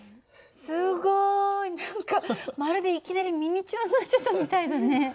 すごい！何かまるでいきなりミニチュアになっちゃったみたいだね。